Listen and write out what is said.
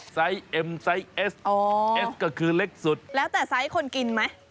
เอ็มไซส์เอสอ๋อเอสก็คือเล็กสุดแล้วแต่ไซส์คนกินไหม